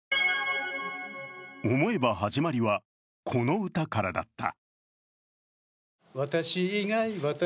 思えば始まりはこの歌からだった。